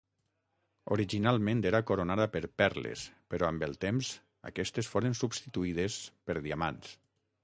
Originalment era coronada per perles però amb el temps aquestes foren substituïdes per diamants.